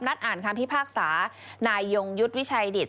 นัดอ่านคำพิพากษานายยงยุทธ์วิชัยดิต